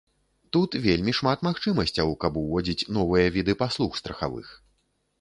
Тут вельмі шмат магчымасцяў, каб уводзіць новыя віды паслуг страхавых.